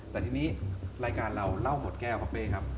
แต่ทีนี้รายการเราเล่าหมดแก้วครับเป้ครับ